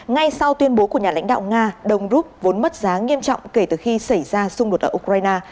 ngay sau tuyên bố của nhà lãnh đạo nga đồng rút vốn mất giá nghiêm trọng kể từ khi xảy ra xung đột ở ukraine